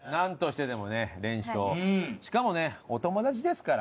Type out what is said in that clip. しかもねお友達ですから。